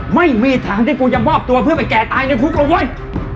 ไม่มีทางที่กูจะมอบตัวเพื่อไปแก่ตายในคุกแล้วเว้ย